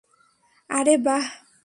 আরে, বাহ!